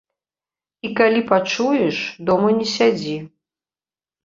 І калі пачуеш, дома не сядзі.